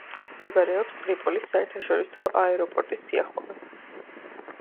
მდებარეობს ტრიპოლის საერთაშორისო აეროპორტის სიახლოვეს.